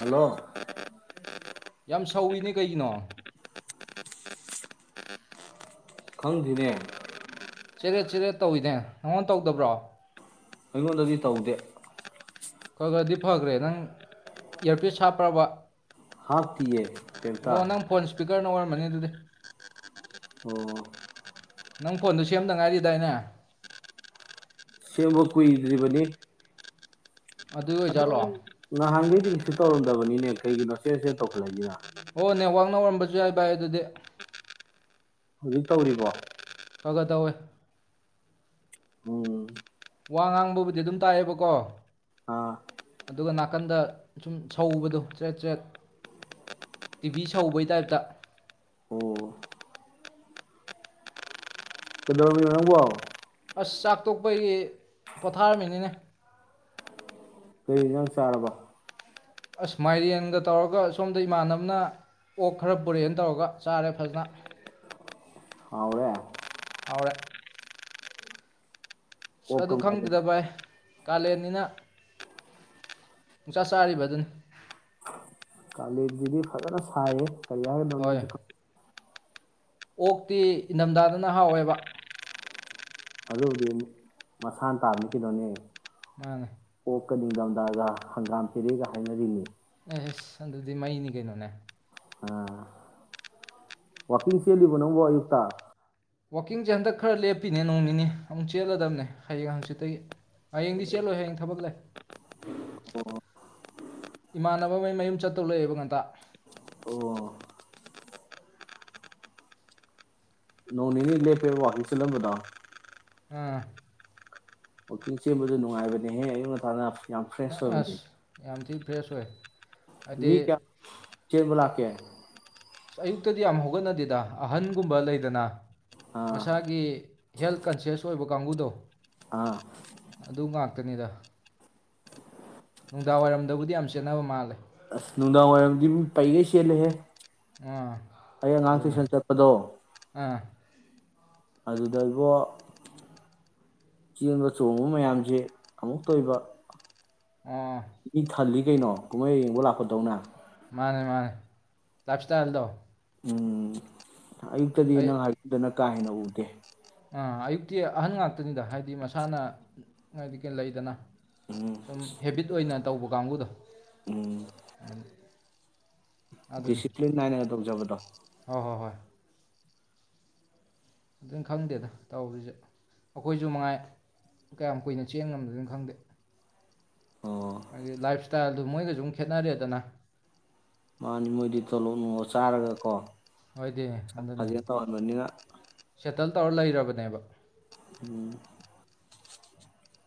hello ꯌꯥꯝ ꯁꯧ ꯏ ꯅꯦ ꯀꯩꯒꯤꯅꯣ ꯈꯪꯗꯦꯅꯦ ꯆꯦꯔꯦꯠ ꯆꯦꯔꯦꯠ ꯇꯧꯋꯤꯅꯦ ꯅꯪꯉꯣꯟ ꯇꯧꯗꯕ꯭ꯔꯣ ꯑꯩꯉꯣꯟꯗꯗꯤ ꯇꯧꯗꯦ ꯈꯈ ꯗꯤ ꯐꯈ꯭ꯔꯦ ꯅꯪ ꯏꯌꯥꯔꯄꯤꯁ ꯍꯥꯞꯄ꯭ꯔꯕ ꯍꯥꯞꯇꯤꯌꯦ ꯀꯦꯝꯇ ꯃꯅꯦ ꯑꯗꯨꯗꯤ ꯑꯣ ꯅꯪ ꯐꯣꯟꯗꯨ ꯁꯦꯝꯗ ꯉꯥꯏꯔꯤꯗꯥꯏꯅꯦ ꯁꯦꯝꯕ ꯀꯨꯏꯗ꯭ꯔꯤꯕꯅꯤ ꯑꯗꯨꯒꯤ ꯑꯣꯏꯖꯥꯠꯂꯣ ꯑꯣ ꯅꯍꯥꯟꯒꯩꯗꯤ ꯁꯤ ꯇꯧꯔꯝꯗꯕꯅꯤꯅꯦ ꯀꯩꯒꯤꯅꯣ ꯆꯦ ꯆꯦꯠ ꯇꯧꯈꯠꯂꯛꯏꯖꯤꯅ ꯔꯝꯕꯁꯨ ꯌꯥꯏ ꯚꯥꯏ ꯑꯗꯨꯗꯤ ꯍꯧꯖꯤꯛ ꯇꯧꯔꯤꯕꯣ ꯈ ꯈ ꯇꯧꯋꯦ ꯎꯝ ꯋꯥ ꯉꯥꯡꯕꯕꯨꯗꯤ ꯑꯗꯨꯝ ꯇꯥꯏꯌꯦꯕꯀꯣ ꯑꯥ ꯑꯗꯨꯒ ꯅꯥꯀꯟꯗ ꯁꯨꯝ ꯁꯎꯧꯕꯗꯣ ꯆ꯭ꯔꯦꯠ ꯆ꯭ꯔꯦꯠ ꯇꯤꯚꯤ ꯁꯧꯕꯩ ꯇꯥꯏꯞꯇ ꯑꯣ ꯀꯩꯗꯧꯔꯃꯤꯅꯣ ꯅꯪꯕꯣ ꯑꯁ ꯆꯥꯛ ꯇꯣꯛꯄꯒꯤ ꯄꯣꯊꯥꯔꯝꯃꯤꯅꯤꯅꯦ ꯀꯩ ꯏꯅꯖꯥꯡ ꯆꯥꯔꯕ ꯑꯁ ꯃꯥꯏꯔꯦꯟꯒ ꯇꯧꯔꯒ ꯁꯣꯝꯗ ꯏꯃꯥꯟꯅꯕꯅ ꯑꯣꯛ ꯈꯔ ꯔꯦꯅ ꯇꯧꯔꯒ ꯆꯥꯔꯦ ꯐꯖꯅ ꯍꯥꯎꯔꯦ ꯍꯥꯎꯔꯦ ꯑꯗꯨ ꯑꯣꯛꯀ ꯃꯥꯏꯔꯦꯟ ꯈꯪꯗꯦꯗ ꯚꯥꯏ ꯀꯥꯂꯦꯟꯅꯤꯅ ꯅꯨꯡꯆꯥ ꯆꯥꯔꯤꯕ ꯑꯗꯨꯅꯤ ꯀꯂꯦꯜꯁꯤꯗꯤ ꯐꯖꯅ ꯁꯥꯏ ꯍꯦ ꯀꯔꯤ ꯍꯥꯏꯅꯣ ꯍꯣꯏ [unintelligible] ꯑꯣꯛꯇꯤ ꯏꯊꯝꯊꯥꯗꯅ ꯍꯥꯎꯋꯦꯕ ꯑꯗꯨꯗꯤ ꯃꯁꯥꯅ ꯇꯥꯕꯅꯤ ꯀꯩꯅꯣꯅꯦ ꯃꯥꯅꯦ ꯀ ꯅꯤꯡꯊꯝꯊꯒ ꯍꯪꯒꯥꯝ ꯊꯦꯔꯦꯒ ꯍꯥꯏꯅꯔꯤꯅꯤ ꯑꯦ ꯑꯦꯁ ꯑꯗꯨꯗꯤ ꯃꯩꯅꯤ ꯀꯩꯅꯣꯅꯦ ꯋꯥꯋꯥꯛꯀꯤꯡ ꯆꯦꯜꯂꯤꯕ ꯅꯪꯕꯣ ꯑꯌꯨꯛꯇ ꯋꯥꯋꯥꯛꯀꯤꯡꯁꯦ ꯍꯟꯗꯛ ꯈꯔ ꯂꯦꯞꯄꯤꯅꯦ ꯅꯣꯡ ꯅꯤꯅꯤ ꯑꯃꯨꯛ ꯆꯦꯜꯂꯗꯕꯅꯦ ꯍꯌꯦꯡ ꯍꯪꯆꯤꯠꯇꯒꯤ ꯍꯌꯦꯡꯗꯤ ꯀꯩꯗꯧꯔꯦ ꯆꯦꯜꯂꯣꯏ ꯍꯌꯦꯡ ꯊꯕꯛ ꯂꯩ ꯏꯃꯥꯟꯅꯕꯃꯩ ꯃꯌꯨꯝ ꯆꯠꯇꯧꯂꯛꯑꯦꯕ ꯉꯟꯇꯥ ꯑꯣ ꯍꯅꯤ ꯂꯦꯞꯄꯦꯋꯥꯍꯤ ꯁ ꯂꯪꯕꯗ ꯎꯝ ꯋꯥꯛꯀꯤꯡ ꯁꯦꯝꯕꯗ ꯅꯨꯡꯉꯥꯏꯕꯅꯦꯍꯦ ꯑꯌꯨꯛ ꯉꯟꯇꯥꯅ ꯌꯥꯝ ꯐ꯭ꯔꯦꯁ ꯑꯁ ꯑꯣꯏꯕꯅꯦ ꯌꯥꯝ ꯊꯤ ꯐ꯭ꯔꯦꯁ ꯑꯣꯏ ꯍꯥꯏꯗꯤ ꯃꯤ ꯀꯌꯥ ꯆꯦꯕꯂ ꯀꯦ ꯑꯁ ꯑꯌꯨꯛꯇꯗꯤ ꯌꯥꯝ ꯍꯧꯒꯠꯅꯗꯦꯗ ꯑꯍꯟꯒꯨꯝꯕ ꯂꯩꯗꯅ ꯑꯥ ꯃꯁꯥꯒꯤ ꯍꯦꯜꯊ ꯀꯟꯁꯤꯌꯁ ꯑꯣꯏꯕ ꯀꯥꯡꯕꯨꯨꯗꯣ ꯑꯥ ꯑꯗꯨ ꯉꯥꯛꯇꯅꯤꯗ ꯅꯨꯡꯗꯥꯡꯋꯥꯏꯔꯝꯗꯕꯨꯗꯤ ꯌꯥꯝ ꯆꯦꯟꯅꯕ ꯃꯥꯜꯂꯦ ꯑꯁ ꯅꯨꯡꯗꯥꯡ ꯋꯥꯏꯔꯝꯗꯤ ꯃꯤ ꯄꯩꯉꯩ ꯆꯦꯠꯂꯦꯍꯦ ꯑꯥ ꯑ ꯉꯥꯡ ꯑꯗꯨꯅꯦ ꯐꯁꯟ ꯆꯦꯠꯄꯗꯣ ꯑꯥ ꯑꯗꯨꯗꯩꯕꯣ ꯆꯦꯟꯕ ꯆꯣꯡꯕ ꯃꯌꯥꯝꯁꯦ ꯑꯃꯨꯛꯇ ꯑꯣꯏꯕ ꯑ ꯀꯩꯅꯣ ꯀꯨꯝꯍꯩ ꯌꯦꯡꯕ ꯂꯥꯛꯄꯗꯧꯅꯪ ꯃꯥꯅꯦ ꯃꯥꯅꯦ ꯇꯥꯏꯞ ꯏꯁꯇꯥꯏꯜꯗꯣ ꯎꯝ ꯑꯩ ꯑꯌꯛꯇꯗꯤꯅ ꯍꯥꯏꯅ ꯀꯥ ꯍꯦꯟꯅ ꯎꯒꯦ ꯑꯌꯨꯛꯇꯤ ꯑꯍꯟ ꯉꯥꯛꯇꯅꯤꯗ ꯍꯥꯏꯗꯤ ꯃꯁꯥꯅ ꯍꯥꯏꯗꯤ ꯀꯩ ꯂꯩꯗꯅ ꯁꯨꯝ ꯍꯦꯕꯤꯠ ꯑꯣꯏꯅ ꯇꯧꯕ ꯀꯥꯡꯕꯨꯗꯣ ꯑꯗꯨꯝ ꯑꯗꯨꯅꯤ ꯗꯤꯁꯤꯄ꯭ꯂꯤꯤꯟ ꯅꯥꯏ ꯅ ꯇ ꯆꯕꯗꯣ ꯍꯣꯏ ꯍꯣꯏ ꯍꯣꯏ ꯑꯗꯨꯅ ꯈꯪꯗꯦꯗ ꯇꯧꯔꯤꯁꯦ ꯑꯩꯈꯣꯏꯁꯨ ꯃꯉꯥꯏ ꯀꯌꯥꯝ ꯀꯨꯏꯅ ꯆꯦꯟ ꯉꯝꯗ ꯑꯗꯨꯣꯏꯅ ꯈꯪꯗꯦ ꯑꯣ ꯍꯥꯏ ꯂꯥꯏꯐ ꯏꯁꯇꯥꯏꯜꯗꯨ ꯃꯣꯏꯒ ꯁꯨꯝ ꯈꯦꯠꯅꯔꯦꯗꯅ ꯃꯥꯅꯤ ꯃꯣꯏꯗꯤ ꯇꯣꯂꯣꯞ ꯅꯨꯡꯉ ꯆꯥꯔꯒ ꯀꯣ ꯍꯣꯏꯗꯤ ꯈ ꯑꯗꯨꯅꯤ ꯇꯟꯅꯤꯉ ꯁꯦꯇꯜ ꯇꯧꯔ ꯂꯩꯔꯕꯅꯦꯕ ꯑ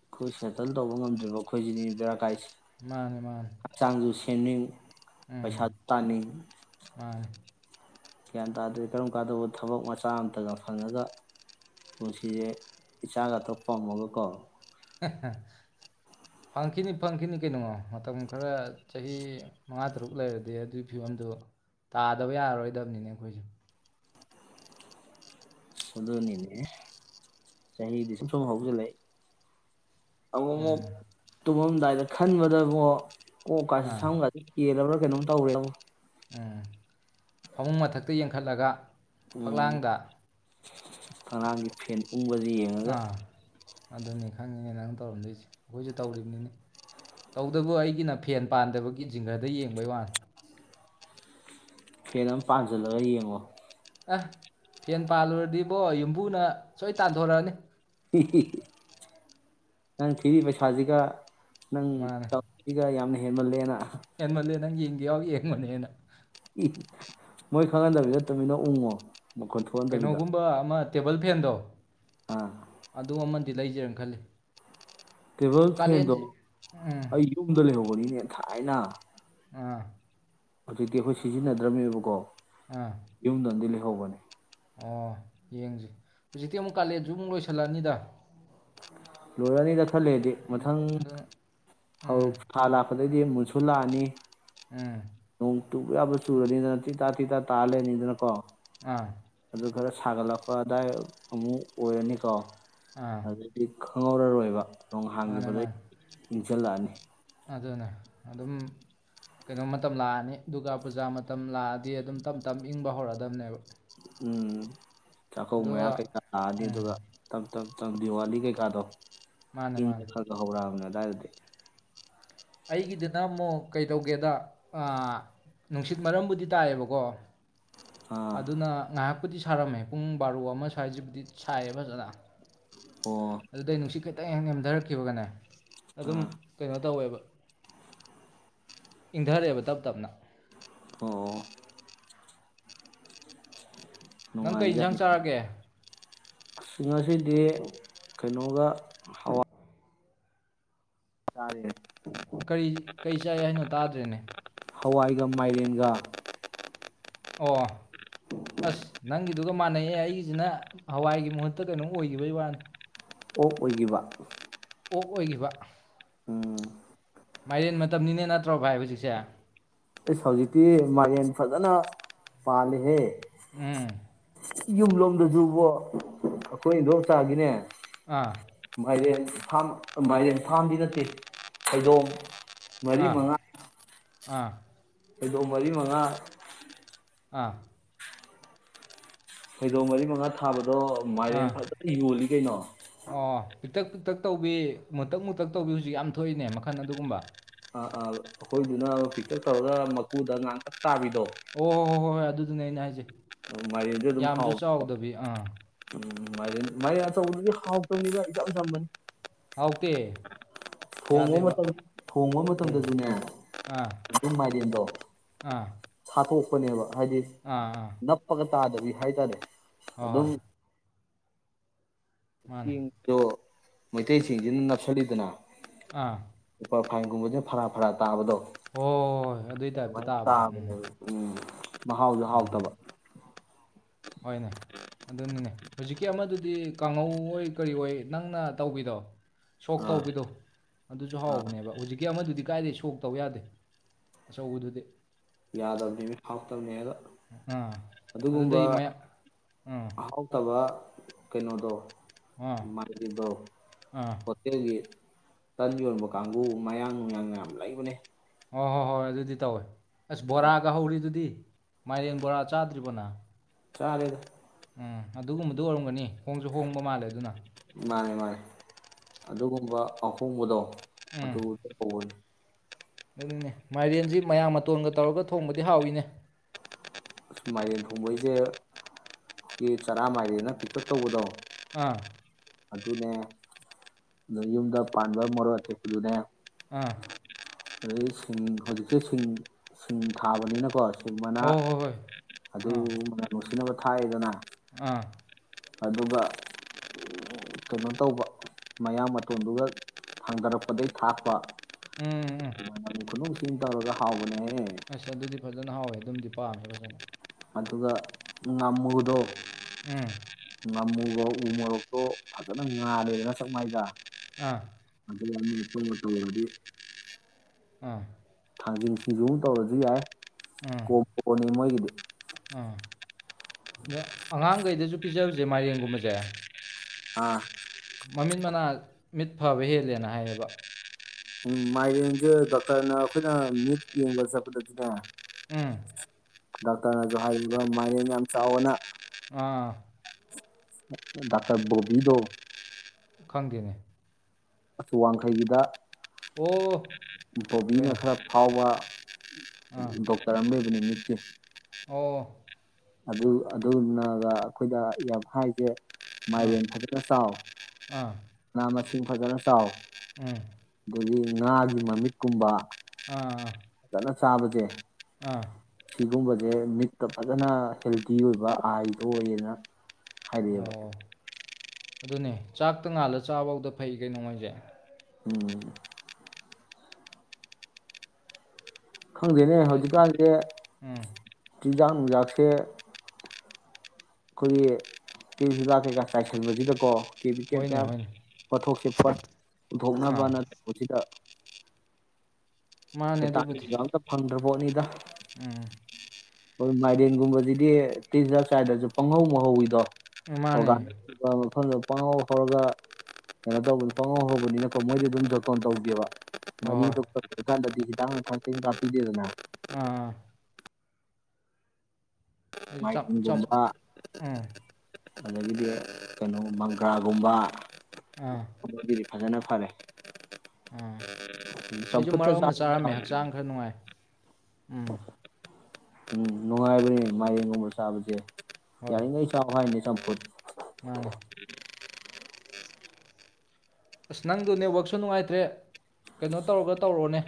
ꯑꯩꯈꯣꯏ ꯁꯦꯇꯜ ꯇꯧꯕ ꯉꯝꯗ꯭ꯔꯤꯕꯣ ꯑꯩꯈꯣꯏꯁꯤꯗꯤ ꯔꯥ ꯀꯥꯏꯁꯤꯦ ꯃꯥꯅꯦ ꯃꯥꯅꯦ ꯀꯅꯨ ꯄꯩꯁꯠꯇꯅꯤ ꯃꯥꯅꯤ ꯒ꯭ꯌꯥꯟ ꯇꯥꯗ꯭ꯔꯦ ꯀꯔꯝ ꯀꯥꯟꯗꯧꯕ ꯊꯕꯛ ꯃꯆꯥ ꯑꯃꯝꯇꯒ ꯐꯪꯉꯒ ꯄꯨꯟꯁꯤꯁꯦ ꯏꯆꯥꯒ ꯊꯣꯛꯄꯝꯃꯒꯀꯣ ꯐꯪꯈꯤꯅꯤ ꯐꯪꯈꯤꯅꯤ ꯀꯩꯅꯣꯣ ꯃꯇꯝ ꯈꯔ ꯆꯍꯤ ꯃꯉꯥ ꯇꯔꯨꯛ ꯂꯩꯔꯗꯤ ꯑꯗꯨꯒꯤ ꯐꯤꯕꯝꯗꯨ ꯇꯥꯗꯕ ꯌꯥꯔꯔꯣꯏꯗꯕꯅꯤꯅꯦ ꯑꯩꯈꯣꯏꯁꯦ ꯁꯗꯅꯤꯅꯦ ꯆꯍꯤꯗꯤ ꯁꯨꯝ ꯁꯨꯝ ꯍꯧꯁꯤꯜꯂꯛ ꯑ ꯎꯝ ꯑꯗꯨꯗꯥꯏꯗ ꯈꯟꯕꯗ ꯑꯃꯛ ꯑꯣ ꯀꯁꯦ ꯑꯥ ꯁꯥꯡꯒ ꯀ ꯀꯩꯅꯣ ꯇꯧꯒꯣ ꯎꯝ ꯐꯃꯨꯡ ꯃꯊꯛꯇ ꯌꯦꯡꯈꯠꯂꯒ ꯎꯝ ꯐꯛꯂꯥꯡꯗ ꯐꯛꯂꯥꯡꯒꯤ ꯐꯦꯟ ꯎꯪꯕꯁꯦ ꯌꯦꯡꯉꯒ ꯑꯥ ꯑꯗꯨꯅꯤ ꯈꯪꯉꯤꯅꯦ ꯅꯪ ꯇꯧꯔꯝꯗꯣꯏꯁꯦ ꯑꯩꯈꯣꯏꯁꯨ ꯇꯧꯔꯤꯕꯅꯤꯅꯦ ꯇꯧꯗꯕꯨ ꯑꯩꯒꯤꯅ ꯐꯦꯟ ꯄꯥꯟꯗꯕꯒꯤ ꯖꯤꯡꯒꯔꯗ ꯌꯦꯡꯕꯩ ꯋꯥꯅꯤ ꯐꯦꯟ ꯑꯃ ꯄꯥꯟꯁꯤꯜꯂꯒ ꯌꯦꯡꯉꯣ ꯑꯦ ꯐꯦꯟ ꯄꯥꯜꯂꯨꯔꯗꯤꯕꯣ ꯌꯨꯝꯕꯨꯅ ꯁꯣꯏ ꯇꯥꯟꯊꯣꯔꯛꯑꯅꯤ ꯅꯪ ꯊꯤꯔꯤꯕ ꯄꯩꯁꯥꯁꯤꯒ ꯅꯪ ꯃꯥꯅꯦ ꯇꯧꯒ ꯌꯥꯝ ꯍꯦ ꯃꯜꯂꯦꯅ ꯍꯦꯟꯃꯜꯂꯦ ꯅꯪ ꯌꯦꯡꯒꯦ ꯌꯥꯎ ꯌꯦꯡꯕꯅꯦꯅ ꯃꯣꯏ ꯈꯪꯍꯟꯗꯕꯤ ꯇꯨꯃꯤꯟꯅ ꯎꯡꯉꯣ ꯀꯩꯅꯣꯒꯨꯝꯕ ꯑꯃ ꯇꯦꯕꯜ ꯐꯦꯟꯗꯣ ꯑꯥ ꯑꯗꯨ ꯑꯃꯗꯤꯃꯗꯤ ꯂꯩꯖꯔꯅ ꯈꯜꯂꯤ ꯇꯦꯕꯜ ꯑꯗꯨ ꯐꯦꯟꯗꯣ ꯀꯥꯂꯦꯟꯁꯤ ꯎꯝ ꯑꯩ ꯌꯨꯝꯗ ꯂꯩꯍꯧꯕꯅꯤꯅꯦ ꯊꯥꯏꯅ ꯑꯥ ꯍꯧꯖꯤꯛꯇꯤ ꯑꯩꯈꯣꯏ ꯁꯤꯖꯤꯟꯅꯗ꯭ꯔꯝꯃꯦꯕꯀꯣ ꯑꯥ ꯌꯨꯝꯗ ꯑꯝꯗꯤ ꯂꯩ ꯂꯩꯍꯧꯕꯅꯦ ꯑꯣ ꯌꯦꯡꯁ ꯍꯧꯖꯤꯛꯇꯤ ꯑꯃꯨꯛ ꯀꯥꯂꯦꯁꯨ ꯑꯃꯨꯛ ꯂꯣꯏꯁꯤꯜꯂꯛꯑꯅꯤꯗ ꯂꯣꯏꯔꯅꯤꯗ ꯈꯔ ꯂꯩꯔꯗꯤ ꯑꯗꯨꯅ ꯃꯊꯪ ꯑꯗꯨꯅ ꯍꯧ ꯎꯝ ꯊꯥ ꯂꯥꯛꯄꯗ ꯑꯗꯩꯗꯤ ꯃꯨꯁꯨ ꯂꯥꯛꯑꯅꯤ ꯎꯝ ꯅꯣꯡ ꯆꯨꯕ ꯌꯥꯕ ꯆꯨꯔꯅꯤ ꯇꯤ ꯇꯥ ꯇꯤ ꯇ ꯇꯥꯔꯦ ꯅꯤꯡꯅꯤꯗꯅ ꯀꯣ ꯑ ꯑꯗꯨ ꯈꯔ ꯁꯥꯒꯠꯂꯛꯄ ꯑꯗꯥꯏ ꯑꯃꯨꯛ ꯑꯣꯏꯔꯅꯤꯀꯣ ꯑꯥ ꯑꯗꯨꯗꯤ ꯈꯪꯍꯧꯔꯔꯣꯏꯕ ꯅꯣꯡ ꯃꯥꯅꯦ ꯍꯥꯡꯈꯤꯕꯗꯩ ꯃꯥꯅꯦ ꯏꯪꯁꯤꯜꯂꯛꯑꯅꯤ ꯑꯗꯨꯅꯦ ꯑꯗꯨꯝ ꯀꯩꯅꯣ ꯃꯇꯝ ꯂꯥꯛꯑꯅꯤ ꯗꯨꯔꯒꯥ ꯄꯨꯖꯥ ꯃꯇꯝ ꯂꯥꯛꯑꯗꯤ ꯑꯗꯨꯝ ꯇꯞ ꯇꯞ ꯏꯪꯕ ꯍꯧꯔꯛꯗꯕꯅꯦꯕ ꯎꯝ ꯆꯥꯛꯀꯧꯕ ꯃꯌꯥ ꯀꯩꯀꯥ ꯂꯥꯛꯑꯗꯤ ꯎꯝ ꯑꯗꯨꯒ ꯇ ꯆ ꯗꯤꯋꯥꯂꯤ ꯀꯩꯀꯥꯗꯣ ꯃꯥꯅꯦ ꯏꯪꯕ ꯃꯥꯅꯦ ꯈꯔ ꯈꯔ ꯍꯧꯔꯅ ꯗꯤ ꯑꯩꯒꯤꯗꯅ ꯑꯃꯨꯛ ꯀꯩꯗꯧꯒꯦꯗ ꯅꯨꯡꯁꯤꯠ ꯃꯔꯝꯕꯨꯗꯤ ꯇꯥꯏꯑꯦꯕꯀꯣ ꯑꯥ ꯑꯗꯨꯅ ꯉꯥꯏꯍꯥꯛ ꯕꯨꯗꯤ ꯁꯥꯔꯝꯃꯦ ꯄꯨꯡ ꯕꯥꯔꯣ ꯑꯃ ꯁ꯭ꯋꯥꯏꯁꯤꯕꯨꯗꯤ ꯁꯥꯏꯌꯦ ꯐꯖꯅ ꯑꯣ ꯑꯗꯨꯗꯩ ꯅꯨꯡꯁꯤꯠ ꯈꯤꯇꯪ ꯊꯥꯔꯛꯈꯤꯕꯒꯅꯦ ꯑꯗꯨꯝ ꯑꯥ ꯀꯩꯅꯣ ꯇꯧꯋꯦꯕ ꯏꯪꯊꯔꯛꯑꯦꯕ ꯇꯞ ꯇꯞꯅ ꯍ ꯅꯪ ꯀꯩ ꯌꯦꯟꯁꯥꯡ ꯆꯥꯔꯛꯒꯦ ꯁꯤꯡ ꯑꯁꯤꯗꯤ ꯀꯩꯅꯣꯒ ꯍꯋꯥ ꯇꯔꯦꯠ ꯀꯔꯤ ꯀꯩ ꯆꯥꯏ ꯍꯥꯏꯅꯣ ꯇꯥꯗ꯭ꯔꯦꯅꯦ ꯍꯋꯥꯏꯒ ꯃꯥꯏꯔꯦꯟꯒ ꯑꯣ ꯑꯁ ꯅꯪꯒꯤꯗꯨꯒ ꯃꯥꯟꯅꯩꯑꯌꯦ ꯑꯩꯒꯤꯁꯤꯅ ꯍꯋꯥꯏꯒꯤ ꯃꯍꯨꯠꯇ ꯀꯩꯅꯣꯝ ꯑꯣꯏꯈꯤꯕꯩ ꯋꯥꯅꯤ ꯑꯣꯛ ꯑꯣꯏꯈꯤꯕ ꯑꯣꯛ ꯑꯣꯏꯈꯤꯕ ꯎꯝ ꯃꯥꯏꯔꯦꯟ ꯃꯇꯝꯅꯤꯅꯦ ꯅꯠꯇ꯭ꯔꯣ ꯚꯥꯏ ꯍꯧꯖꯤꯛꯁꯦ ꯑꯦꯁ ꯍꯧꯖꯤꯛꯇꯤ ꯃꯥꯂꯦꯝꯦꯟ ꯐꯖꯅ ꯄꯥꯜꯂꯤꯍꯦ ꯎꯝ ꯌꯨꯝ ꯂꯣꯝꯗꯁꯨꯕꯣ ꯑꯩꯈꯣꯏ ꯂꯣꯛꯇꯥꯒꯤꯅꯦ ꯑꯥ ꯃꯥꯏꯔꯦꯝ ꯐꯥꯝ ꯃꯥꯏꯔꯦꯝ ꯐꯥꯝꯗꯤ ꯅꯠꯇꯦ ꯐꯩꯗꯣꯡꯝ ꯃꯔꯤ ꯑꯥ ꯃꯉꯥ ꯑꯥ ꯍꯗꯣ ꯃꯔꯤ ꯃꯉꯥ ꯑꯥ ꯐꯩꯗꯧ ꯃꯔꯤ ꯃꯉꯥ ꯊꯥꯕꯗ ꯑꯗꯣ ꯑꯥ ꯃꯥꯏꯔꯦꯟ ꯐꯖꯅ ꯌꯣꯜꯂꯤ ꯀꯩꯅꯣ ꯄꯤꯛꯛꯇꯛ ꯄꯤꯛꯇꯛ ꯇꯧꯕꯤ ꯃꯨꯇꯛ ꯃꯨꯇꯛ ꯇꯧꯕꯤ ꯍꯧꯖꯤꯛ ꯌꯥꯝ ꯊꯣꯛꯏꯅꯦ ꯃꯈꯟ ꯑꯗꯨꯒꯨꯝꯕ ꯑ ꯑꯥ ꯑꯩꯈꯣꯏꯗꯨꯅ ꯐꯤꯀꯔ ꯀꯧꯔꯒ ꯃꯀꯨꯗ ꯉꯇ ꯑꯣ ꯍꯣ ꯍꯣ ꯍꯣꯏ ꯍꯣꯏ ꯑꯗꯨ ꯑꯗꯨꯅꯦ ꯑꯩꯅ ꯍꯥꯏꯖꯩ ꯃꯥꯏꯩꯗꯤ ꯑꯗꯨꯝ ꯍꯥꯎꯕ ꯎꯝ ꯃꯥꯏ ꯑꯆꯧꯕꯗꯨꯗꯤ ꯍꯥꯎꯇꯕꯅꯤꯅ ꯏꯆꯝ ꯆꯝꯕꯅꯤ ꯍꯧꯥꯎꯇ ꯊꯣꯡꯕ ꯃꯇꯝ ꯊꯣꯡꯕ ꯎꯝ ꯃꯇꯝꯗꯗꯤꯅꯦ ꯑꯥ ꯏ ꯃꯥꯂꯦꯝꯥꯏꯗꯣ ꯑꯥ ꯁꯥꯠꯇꯣꯛ ꯅꯤꯕ ꯍꯥꯏꯖꯤ ꯑꯥ ꯑꯥ ꯅꯄꯒ ꯇꯥꯗꯕꯤ ꯍꯥꯏ ꯇꯔꯦ ꯍꯣꯏ ꯍꯣꯏ ꯃꯥꯅꯦ ꯇꯣ ꯃꯣꯏꯇꯩꯁꯤꯁꯤ ꯅ ꯁꯗꯅ ꯑꯥ ꯐꯥꯏꯒꯨꯝꯕꯦ ꯐꯔꯥ ꯐꯔꯥ ꯇꯥꯕꯗꯣ ꯍꯣꯏ ꯑꯗꯨꯏ ꯇꯥꯏꯞꯇ ꯑꯗꯨꯃꯥꯏꯅ ꯇꯥꯕꯗꯣ ꯇꯥꯕꯅꯦ ꯎꯝ ꯎꯝ ꯃꯍꯥꯎꯁꯨ ꯍꯥꯎꯇꯕ ꯍꯣꯏꯅꯦ ꯑꯗꯨꯅꯤꯅꯦ ꯍꯧꯖꯤꯛꯀꯤ ꯑꯃꯗꯨꯗꯤ ꯀꯥꯡꯍꯧ ꯑꯣꯏ ꯀꯔꯤ ꯑꯣꯏ ꯅꯪꯅ ꯇꯧꯕꯤꯗꯣ ꯁꯣꯛ ꯑꯥ ꯇꯧꯕꯈꯤꯕꯗꯣ ꯑꯗꯨꯁꯨ ꯑꯥ ꯍꯥꯎꯕꯅꯦꯕ ꯍꯧꯖꯤꯛ ꯀꯦ ꯑꯃꯗꯨꯗꯤ ꯀꯥꯏꯗꯦ ꯁꯣꯛ ꯇꯧ ꯌꯥꯗꯦ ꯑꯆꯧꯕꯗꯨꯗꯤ ꯌꯥꯗꯕꯅꯤ ꯍꯥꯎꯇꯕꯅꯤꯗꯣ ꯑꯥ ꯑꯗꯨꯒꯨꯝꯕ ꯑꯗꯨꯗꯩ ꯃꯌꯥ ꯑꯥ ꯍꯥꯎꯇꯕ ꯀꯩꯅꯣꯗꯣ ꯑꯥ ꯃꯥꯒꯤꯗ ꯑꯥ ꯐꯠꯇꯒꯤ ꯇꯟ ꯌꯣꯟꯕ ꯀꯥꯡꯕꯨ ꯃꯌꯥꯡ ꯅꯨꯡꯌꯥꯡ ꯌꯥꯝ ꯂꯩꯕꯅꯦ ꯍꯣꯏ ꯍꯣꯏ ꯍꯣꯏ ꯑꯗꯨꯗꯤ ꯇꯧꯋꯦ ꯑꯁ ꯕꯣꯔꯥꯒ ꯍꯧꯔꯤꯗꯨꯗꯤ ꯃꯥꯏꯔꯦꯟ ꯕꯣꯔꯥ ꯆꯥꯗ꯭ꯔꯤꯕꯅ ꯆꯔꯦꯗ ꯎꯝ ꯑꯗꯨꯒꯨꯝꯕꯗꯨ ꯑꯣꯏꯔꯝꯒꯅꯤ ꯍꯣꯡꯁꯨ ꯍꯣꯡꯕ ꯃꯥꯜꯂꯦ ꯑꯗꯨꯅ ꯃꯥꯅꯤ ꯃꯥꯅꯤ ꯑꯗꯨꯒꯨꯝꯕ ꯑꯍꯣꯡꯕꯗꯣ ꯎꯝ ꯑꯗꯨ ꯑꯗꯨꯕꯨ ꯀꯒꯅꯤ ꯑꯗꯨꯅꯦ ꯃꯥꯏꯔꯦꯟꯁꯤ ꯃꯌꯥꯝ ꯃꯇꯣꯟꯒ ꯇꯧꯔꯒ ꯊꯣꯡꯕꯗꯤ ꯍꯥꯎꯏꯤꯅꯦ ꯑꯁ ꯃꯥꯏꯔꯦꯟ ꯊꯣꯡꯕꯩꯁꯦ ꯑꯩꯈꯣꯏꯒꯤ ꯆꯔꯥ ꯃꯥꯏꯔꯦꯅ ꯄꯤꯛ ꯎꯞ ꯇꯧꯕꯗꯣ ꯑꯥ ꯑꯗꯨꯅꯦ ꯌꯨꯝꯗ ꯄꯥꯟꯕ ꯃꯣꯛ ꯑꯊꯦꯛꯄꯗꯨꯅꯦ ꯑꯥ ꯑꯗꯩ ꯁꯤꯡ ꯍꯧꯖꯤꯛꯁꯦ ꯁꯤꯡ ꯁꯤꯡ ꯊꯥꯕꯅꯤꯅꯀꯣ ꯑꯗꯨꯒꯨꯝꯕꯅ ꯍꯣꯏ ꯍꯣꯏ ꯍꯣꯏ ꯑꯗꯨ ꯑꯥ ꯃꯅ ꯅꯨꯡꯁꯤꯅꯕ ꯎ ꯈꯥꯏ ꯑꯥ ꯑꯗꯨꯒ ꯀꯩꯅꯣ ꯇꯧꯕ ꯃꯌꯥꯝ ꯃꯇꯣꯟꯗꯨꯒ ꯍꯪꯊꯔꯛꯄꯗꯒꯩ ꯊꯥꯛꯄ ꯎꯝ ꯎꯝ ꯑ ꯈꯨꯅꯣ ꯇꯤꯟ ꯇꯧꯔꯒ ꯍꯥꯎꯕꯅꯦ ꯑꯁꯆꯥ ꯑꯗꯨꯗꯤ ꯐ ꯐꯖꯅ ꯍꯥꯎꯋꯦ ꯑꯗꯨꯝꯗꯤ ꯄꯥꯝꯃꯦ ꯐꯖꯅ ꯑꯗꯨꯒ ꯉꯝꯃꯨꯗꯣ ꯎꯝ ꯉꯃꯨꯨꯔꯣꯛ ꯎ ꯃꯣꯔꯣꯛꯇꯣ ꯐꯖꯅ ꯉꯥꯜꯂꯦꯗꯅ ꯁꯞ ꯃꯥꯏꯗ ꯑꯥ ꯑꯗ ꯃꯠꯇꯃ ꯃꯇꯝꯂꯗꯤ ꯑ ꯊꯥꯡꯖꯤꯟ ꯁꯤꯡꯖꯨꯡ ꯇꯧꯔꯁꯨ ꯌꯥꯏ ꯎꯝ ꯀꯣꯅꯤ ꯃꯣꯏꯒꯤꯗꯤ [inaudible] ꯑꯥ ꯑꯗꯣ ꯑꯉꯥꯡꯈꯩꯗꯁꯨ ꯄꯤꯖꯕꯁꯦ ꯃꯥꯏꯔꯦꯡꯒꯨꯝꯕꯁꯦ ꯑꯥ ꯃꯃꯤꯠ ꯃꯅꯥ ꯃꯤꯠ ꯐꯕ ꯍꯦꯜꯂꯦꯅ ꯍꯥꯏꯌꯦꯕ ꯎꯝ ꯃꯥꯏꯔꯁꯦ ꯗꯣꯛꯇꯔꯅ ꯑꯩꯈꯣꯏꯅ ꯃꯤꯠ ꯌꯦꯡꯕ ꯆꯠꯄꯗꯗꯤꯅꯦ ꯎꯝ ꯗꯥꯛꯇꯔꯅꯁꯨ ꯍꯥꯏ ꯃꯥꯂꯦꯝ ꯌꯥꯝ ꯆꯥꯎꯕꯅ ꯑꯥ ꯗꯥꯛꯇꯔ ꯣꯕꯤꯗ ꯈꯪꯗꯦꯅꯦ ꯑ ꯋꯥꯡꯈꯩꯒꯤꯗ ꯑꯣ ꯕꯣꯕꯤꯅ ꯍꯣꯏꯅꯦ ꯈꯔ ꯐꯥꯎꯕ ꯑꯥ ꯗꯣꯛꯇꯥꯔꯝꯕ [inaudible] ꯑꯣ ꯑꯗꯨ ꯑꯗꯨꯅꯒ ꯑꯩꯈꯣꯏꯗ ꯌꯥꯝ ꯍꯥꯏꯁꯦ ꯑꯥ ꯃꯥꯏꯔꯦꯟ ꯈꯗ꯭ꯔ ꯆꯥꯎꯥꯎ ꯑꯥ ꯑ ꯏꯁꯤꯡ ꯐꯖꯅ ꯆꯥꯎ ꯎꯝ ꯑꯗꯒꯤ ꯉꯥꯒꯤ ꯃꯃꯤꯠꯀꯨꯝꯕ ꯑꯥ ꯁꯥꯥꯕꯒꯦ ꯑꯥ ꯁꯤꯒꯨꯝꯕꯁꯦ ꯃꯤꯠꯇ ꯐꯖꯅ ꯍꯦꯜꯗꯤ ꯑꯣꯏꯕ ꯑꯥꯏꯗꯣ ꯑꯣꯏꯌꯦꯅ ꯍꯥꯏꯕꯤꯕ ꯑꯣ ꯑꯗꯨꯅꯦ ꯆꯥꯛꯇ ꯉꯥꯜꯂ ꯆꯥꯐꯧꯗ ꯐꯩ ꯀꯩꯅꯣꯉꯣꯏꯁꯦ ꯎꯝ ꯈꯪꯗꯦꯅꯦ ꯑꯩ ꯍꯧꯖꯤꯛꯀꯥꯟꯁꯦ ꯎꯝ ꯆꯤꯟꯖꯥꯛ ꯅꯨꯡꯖꯥꯛꯁꯦ ꯑꯩꯈꯣꯏꯒꯤ ꯇꯔꯤ ꯍꯤꯗꯥꯛ ꯀꯩꯀꯥ ꯆꯥꯏꯁꯟꯕꯁꯤꯗꯀꯣ ꯀꯦꯕꯤꯀꯦꯜ ꯍꯣꯏꯅꯦ ꯀꯌꯥ ꯍꯣꯏꯅꯦ ꯄꯣꯠꯊꯣꯛꯁꯦ ꯄꯨꯊꯣꯛꯅꯕ ꯑꯥ ꯅꯠꯇ ꯁꯤꯗ ꯃꯥꯅꯦ ꯑꯗꯨꯕꯨꯗꯤ ꯇꯥ ꯐꯪ ꯕꯅꯤꯗ ꯎꯝ ꯍꯣꯏ ꯃꯥꯏꯔꯦꯟꯒꯨꯝꯕꯁꯤꯗꯤ ꯇꯤꯖꯔ ꯆꯥꯏꯗꯁꯨ ꯄꯪꯍꯧ ꯃꯍꯧꯋꯤꯗꯣ ꯎꯝ, ꯃꯥꯅꯦ ꯑꯣ [unintelligible] ꯄꯥꯉꯥꯎ ꯍꯧꯔꯒ ꯀꯩꯅꯣ ꯇꯧꯕꯅꯤ ꯄꯥꯉꯥꯎ ꯍꯧꯕꯅꯤꯅꯀꯣ ꯃꯣꯏꯗꯤ ꯑꯗꯨꯝ ꯗꯣꯇꯣꯟ ꯇꯧꯒꯦꯕ ꯍꯣꯏ ꯃꯔꯤ ꯍꯣꯏ ꯈꯤꯇ ꯊꯄꯤꯗꯦꯗꯅ ꯑ ꯑꯩꯁꯨ ꯆꯞ ꯆꯞ ꯃꯥꯏꯔꯦꯟꯒꯨꯝꯕ ꯎꯝ ꯑꯗꯒꯤꯗꯤ ꯀꯩꯅꯣ ꯃꯪꯒ꯭ꯔꯥꯒꯨꯝꯕ ꯑꯥ ꯑꯗꯨꯗꯤ ꯐꯖꯅ ꯐꯔꯦ ꯑꯥ ꯑꯩꯁꯨ ꯆꯝꯐꯨꯠꯇ ꯃꯔꯛ ꯑꯃ ꯆꯥꯕꯁꯨ ꯆꯥꯔꯝꯃꯦ ꯍꯥꯎꯕꯅꯦ ꯍꯛꯆꯥꯡ ꯈꯔ ꯅꯨꯡꯉꯥꯏ ꯎꯝ ꯎꯝ ꯅꯨꯡꯉꯥꯏꯕꯅꯤ ꯃꯌꯦꯒꯨꯝꯕ ꯁꯥꯕꯁꯦ ꯍꯣꯏ ꯌꯥꯔꯤꯉꯩ ꯆꯥꯎ ꯍꯥꯏꯅꯦ ꯆꯝꯄꯨꯠ ꯃꯥꯅꯦ ꯑꯁ ꯅꯪꯗꯨ ꯅꯦꯠꯋꯥꯛꯁꯨ ꯅꯨꯡꯉꯥꯏꯇ꯭ꯔꯦ ꯀꯩꯅꯣ ꯇꯧꯔꯒ ꯇꯧꯔꯣꯅꯦ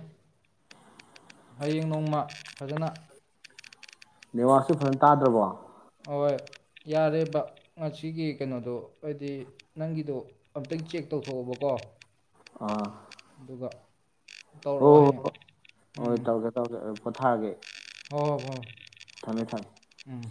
ꯍꯌꯦꯡ ꯅꯣꯡꯃ ꯐꯖꯅ ꯅꯤꯋꯥꯁꯁꯨ ꯐꯖꯅ ꯇꯥꯗ꯭ꯔꯕꯣ ꯍꯣꯏ ꯌꯥꯔꯦ ꯕ ꯉꯁꯤꯒꯤ ꯀꯩꯅꯣꯗꯣ ꯍꯥꯏꯗꯤ ꯅꯪꯒꯤꯗꯣ ꯑꯝꯇꯪ ꯆꯦꯛ ꯇꯧꯊꯣꯛꯑꯣꯕꯀꯣ ꯑꯥ ꯑꯗꯨꯒ ꯍꯣꯏ ꯇꯧꯔꯛꯑꯣ ꯍꯌꯦꯡ ꯍꯣꯏ ꯍꯣꯏ ꯎꯝ ꯇꯧꯒꯦ ꯇꯧꯒꯦ ꯄꯣꯊꯥꯒꯦ ꯍꯣꯏ ꯍꯣꯏ ꯊꯝꯃꯦ ꯊꯝꯃꯦ ꯎꯝ